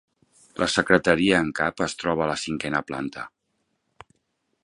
La secretaria en cap es troba a la cinquena planta.